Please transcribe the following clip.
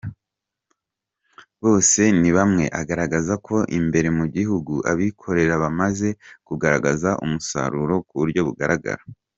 Bosenibamwe agaragaza ko imbere mu gihugu abikorera bamaze kugaragaza umusaruro ku buryo bugaraga.